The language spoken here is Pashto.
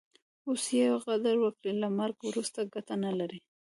اوس ئې قدر وکړئ! له مرګ وروسته ګټه نه لري.